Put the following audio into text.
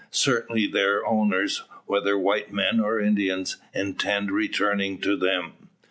Certainly their owners, whether white men or Indians, intend returning to them.